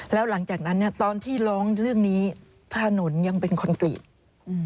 แล้วหลังจากนั้นเนี้ยตอนที่ร้องเรื่องนี้ถนนยังเป็นคอนกรีตอืม